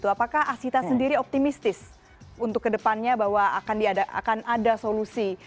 apakah asita sendiri optimistis untuk kedepannya bahwa akan ada solusi